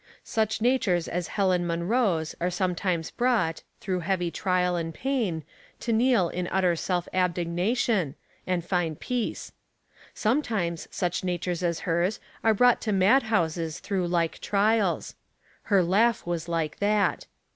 Such natures as Helen Mun roe's are sometimes brought, through heavy trial and pain, to kneel in utter self abnegation, and A Protector. 255 find peace. Sometimes such natures as Lers are brought to mad houses through like trials. Her laugh was like that.